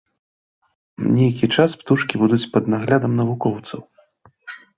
Нейкі час птушкі будуць пад наглядам навукоўцаў.